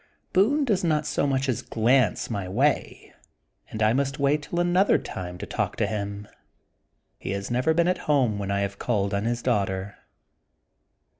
Boone does not so much as glance my way and I must wait till another time to talk to him. He has never been at home when I have called on his daughter.